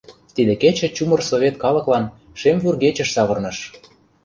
— Тиде кече чумыр совет калыклан «шем вӱргечыш» савырныш.